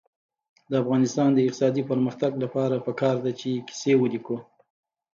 د افغانستان د اقتصادي پرمختګ لپاره پکار ده چې کیسې ولیکو.